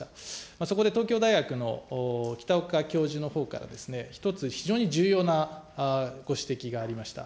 そこで東京大学のきたおか教授のほうから、一つ、非常に重要なご指摘がありました。